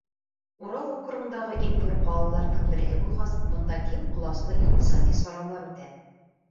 Урал округындағы иң ҙур ҡалаларҙың береһе булғас, бында киң ҡоласлы иҡтисади саралар үтә.